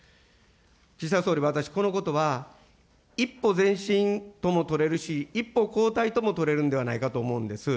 岸田総理、私、このことは、一歩前進とも取れるし、一歩後退とも取れるんではないかと思うんです。